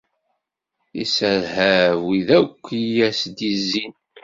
Isserhab wid akk i as-d-izzin.